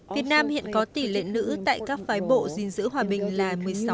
việt nam hiện có tỷ lệ nữ tại các phái bộ gìn giữ hòa bình là một mươi sáu